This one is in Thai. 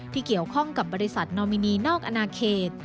เกี่ยวข้องกับบริษัทนอมินีนอกอนาเขต